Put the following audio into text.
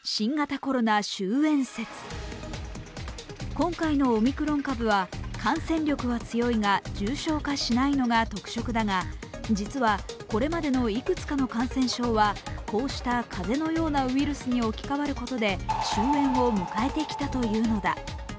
今回のオミクロン株は感染力は強いが重症化しないのが特色だが、実はこれまでのいくつかの感染症はこうした風邪のようなウイルスに置き換わることで終えんを迎えてきたというのだ。